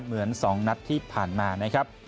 เหมือน๒นัดที่ผ่านมานะครับ